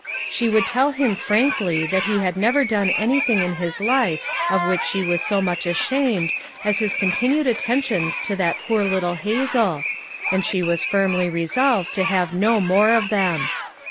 She would tell him frankly that he had never done anything in his life of which she was so much ashamed as his continued attentions to that poor little Hazel, and she was firmly resolved to have no more of them.